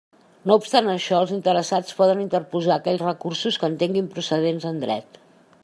No obstant això, els interessats poden interposar aquells recursos que entenguin procedents en Dret.